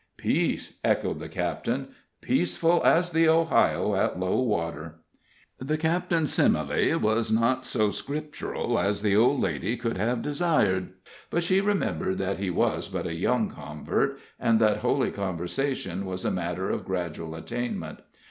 "Peace?" echoed the captain "peaceful as the Ohio at low water." The captain's simile was not so Scriptural as the old lady could have desired, but she remembered that he was but a young convert, and that holy conversation was a matter of gradual attainment.